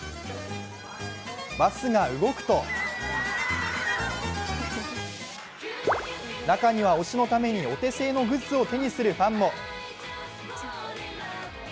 バスが動くと中には推しのためにお手製のグッズを手にするファンも。